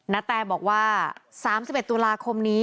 นาแตบอกว่า๓๑ตุลาคมนี้